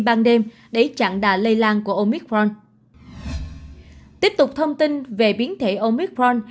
biến thể siêu lây lan của omicron tiếp tục thông tin về biến thể omicron